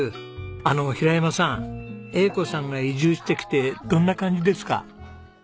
あの平山さん栄子さんが移住してきてどんな感じですか？